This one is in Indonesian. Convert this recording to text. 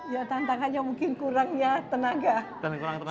ya tantangannya mungkin kurangnya tenaga